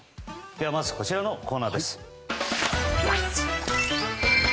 まずはこちらのコーナーです。